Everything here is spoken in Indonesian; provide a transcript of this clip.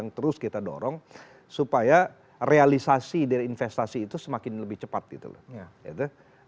yang terus kita dorong supaya realisasi dari investasi itu semakin lebih cepat gitu loh